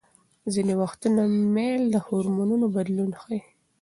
ځینې وختونه میل د هورمونونو بدلون ښيي.